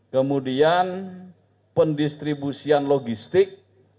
kemudian pendistribusian logistik